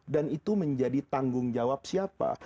dan itu menjadi tanggung jawab siapa